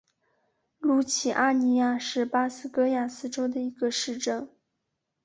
卢齐阿尼亚是巴西戈亚斯州的一个市镇。